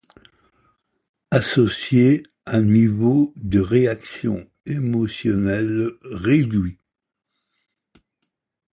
Associé à niveau de réaction émotionnelle réduit.